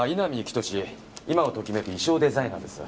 今を時めく衣装デザイナーです。